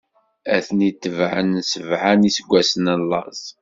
Ad ten-id-tebɛen sebɛa n iseggwasen n laẓ.